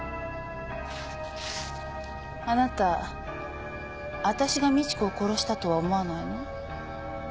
あなた私が美智子を殺したとは思わないの？